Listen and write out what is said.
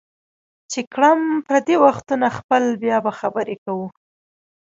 چې کړم پردي وختونه خپل بیا به خبرې کوو